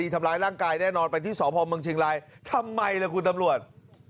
ทำไมละคุณตำรวจ